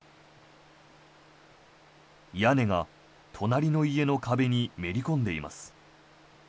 屋根が隣の家の壁にめり込んでいます。